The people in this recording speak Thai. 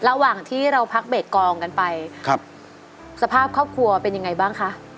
ระหว่างที่เราพักเบรกกองกันไปครับสภาพครอบครัวเป็นยังไงบ้างคะ